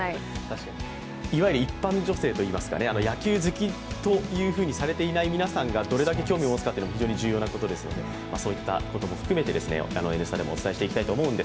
いわゆる一般女性といいますか、野球好きとされていない皆さんがどれだけ興味を持つか、非常に重要なことですので、そういったことも含めて「Ｎスタ」でもお伝えしていきたいと思います。